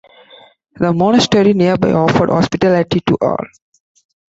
The monastery nearby offered hospitality to all.